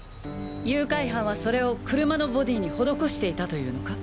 誘拐犯はそれを車のボディーに施していたというのか？